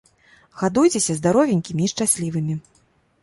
Гадуйцеся здаровенькімі і шчаслівымі.